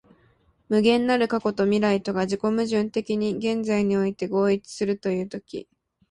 無限なる過去と未来とが自己矛盾的に現在において合一するという時、